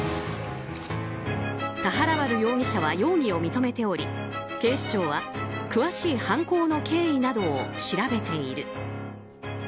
田原春容疑者は容疑を認めており警視庁は詳しい犯行の経緯などを調べている。